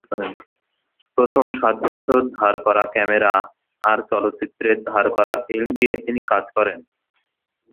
প্রথম সাত বছর ধার করা ক্যামেরা আর চলচ্চিত্রের ধার করা ফিল্ম দিয়ে তিনি কাজ করেন।